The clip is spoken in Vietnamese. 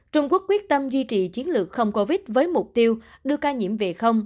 trung quốc quyết tâm duy trì chiến lược không covid với mục tiêu đưa ca nhiễm về không